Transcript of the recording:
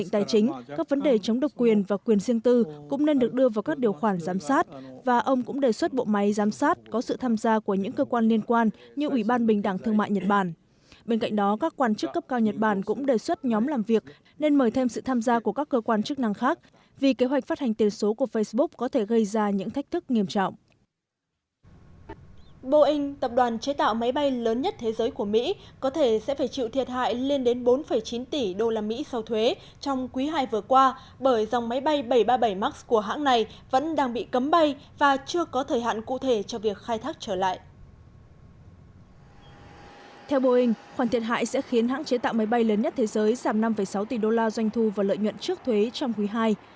theo boeing khoản thiệt hại sẽ khiến hãng chế tạo máy bay lớn nhất thế giới giảm năm sáu tỷ đô la doanh thu và lợi nhuận trước thuế trong quý ii